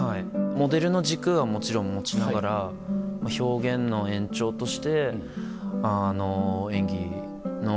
モデルの軸はもちろん持ちながら表現の延長として演技の。